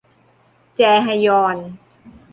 แจฮยอน